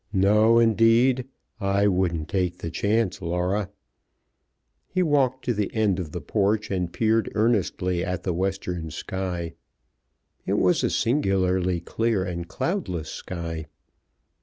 "No, indeed. I wouldn't take the chance, Laura." He walked to the end of the porch and peered earnestly at the western sky. It was a singularly clear and cloudless sky.